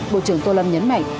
bộ trưởng tô lâm nhấn mạnh